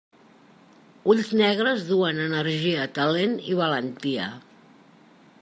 Ulls negres duen energia, talent i valentia.